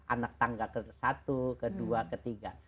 anak tangga ke satu ke dua ke tiga